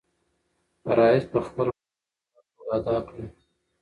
فرایض په خپل وخت او پوره توګه ادا کړه.